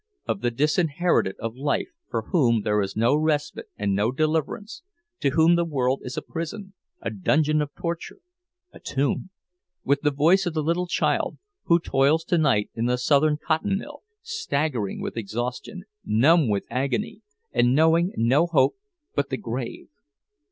Of the disinherited of life, for whom there is no respite and no deliverance, to whom the world is a prison, a dungeon of torture, a tomb! With the voice of the little child who toils tonight in a Southern cotton mill, staggering with exhaustion, numb with agony, and knowing no hope but the grave!